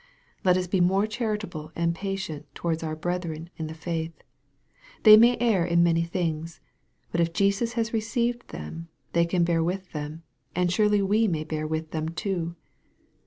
Let us be more charitable and patient towards our brethren in the faith. They may err in many things, but if Jesus has received them and can bear with them, surely we may bear with them too.